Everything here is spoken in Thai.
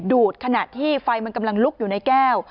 ดูดขณะที่ไฟมันกำลังลุกอยู่ในแก้ว